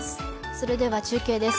それでは中継です。